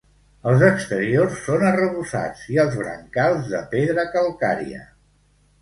Els exteriors són arrebossats i els brancals de pedra calcària.